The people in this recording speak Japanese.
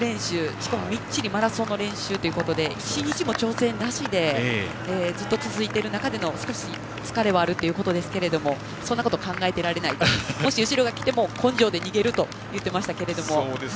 しかもみっちりマラソンの練習で１日も調整なしでずっと続いている中での疲れも少しあるということですがそんなこと考えられないともし後ろが来ても根性で逃げるということです。